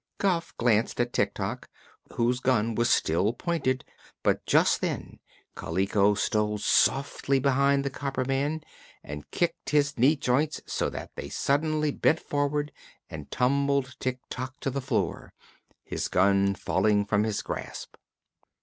Guph glanced at Tik Tok, whose gun was still pointed, but just then Kaliko stole softly behind the copper man and kicked his knee joints so that they suddenly bent forward and tumbled Tik Tok to the floor, his gun falling from his grasp.